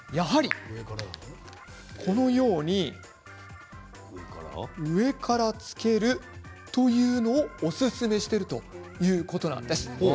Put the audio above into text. このように上からつけるというのをおすすめしているということなんです。